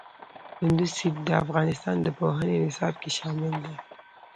کندز سیند د افغانستان د پوهنې نصاب کې شامل دي.